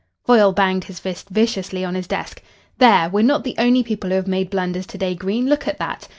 Foyle banged his fist viciously on his desk. "There! We're not the only people who have made blunders to day, Green. Look at that.